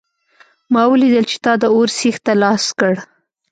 ما ولیدل چې تا د اور سیخ ته لاس کړ